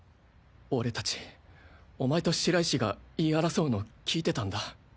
俺たちお前と白石が言い争うのを聞いてたんだ。